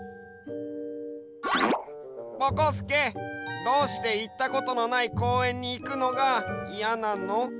ぼこすけどうしていったことのないこうえんにいくのがいやなの？